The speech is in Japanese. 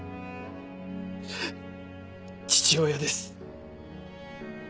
父親です。